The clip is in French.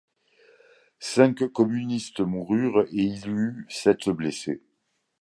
Cinq communistes moururent et il y eut sept blessés.